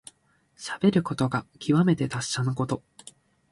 しゃべることがきわめて達者なこと。